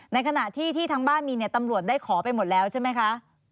ในขณะที่ที่ทางบ้านมีเนี่ยตำรวจได้ขอไปหมดแล้วใช่ไหมคะ